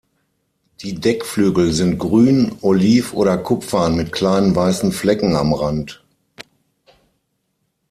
Die Deckflügel sind grün, oliv oder kupfern mit kleinen weißen Flecken am Rand.